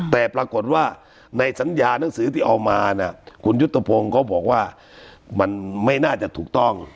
แต่ปรากฏว่าในสัญญานังสือที่เอามาเนี่ยคุณยุทธพงศ์ก็บอกว่ามันไม่น่าจะถูกต้อง